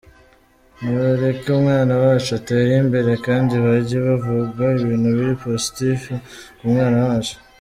Nibareke umwana wacu atere imbere kandi bajye bavuga ibintu biri positif ku mwana wacu.